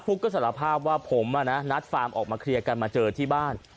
ุ๊กก็สารภาพว่าผมนัดฟาร์มออกมาเคลียร์กันมาเจอที่บ้าน